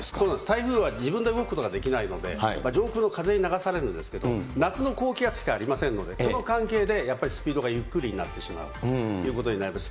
台風は自分で動くことができないので、上空の風に流されるんですけど、夏の高気圧しかありませんので、この関係でやっぱりスピードがゆっくりになってしまうということになります。